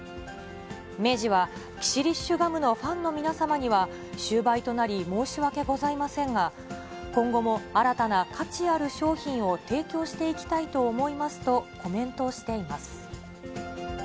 明治は、キシリッシュガムのファンの皆様には、終売となり、申し訳ございませんが、今後も新たな価値ある商品を提供していきたいと思いますとコメントしています。